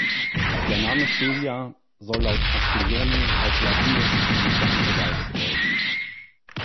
Der Name "Stevia" soll laut Castiglioni auf Ladinisch „entfernte Weide“ bedeuten.